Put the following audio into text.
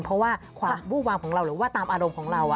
เพราะว่าความวู้วามของเราหรือว่าตามอารมณ์ของเรา